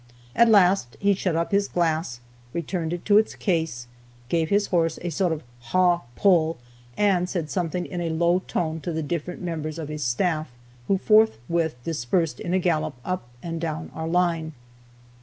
At last he shut up his glass, returned it to its case, gave his horse a sort of a "haw" pull, and said something in a low tone to the different members of his staff, who forthwith dispersed in a gallop up and down our line.